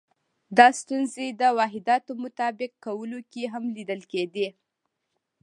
دا ستونزې د واحداتو مطابق کولو کې هم لیدل کېدې.